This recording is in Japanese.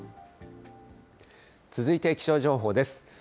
続いて気象情報です。